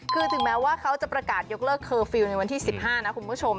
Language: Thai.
คือถึงแม้ว่าเขาจะประกาศยกเลิกเคอร์ฟิลล์ในวันที่๑๕นะคุณผู้ชม